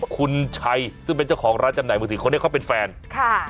คุณชัยซึ่งเป็นเจ้าของร้านจำหน่ายมือถือคนนี้เขาเป็นแฟนค่ะ